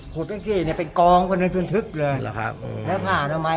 ขวดแป็กซี่เนี่ยเป็นกองคือเลยแล้วผ้าอาณาไม้